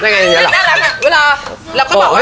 น่ารัก